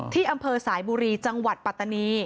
ที่อำเภอสายบุรีจังหวัดปัตตานี